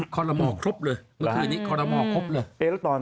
คอนละมอร์ครบเลยในวันนี้คอนละมอร์ครบเลย๒๐๕๐๒๐๒๐